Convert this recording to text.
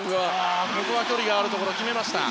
ここは距離があるところを決めました。